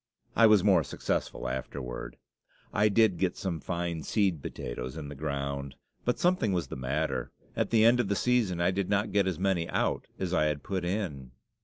I was more successful afterward. I did get some fine seed potatoes in the ground. But something was the matter; at the end of the season I did not get as many out as I had put in.